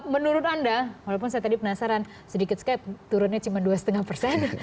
menurut anda walaupun saya tadi penasaran sedikit skype turunnya cuma dua lima persen